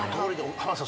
浜田さん